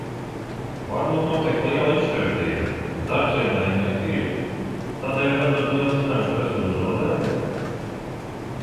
Varbūt notiek liela izšķērdība un darbs ir neefektīvs, tādējādi radot lielus finanšu resursu zaudējumus?